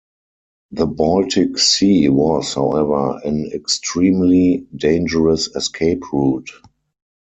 The Baltic Sea was, however, an extremely dangerous escape route.